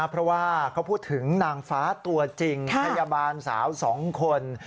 เพราะว่าเขาพูดถึงนางฟ้าตัวจริงพยาบาลสาว๒คน